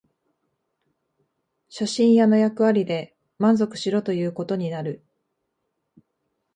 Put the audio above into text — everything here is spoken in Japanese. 写真屋の役割で満足しろということになる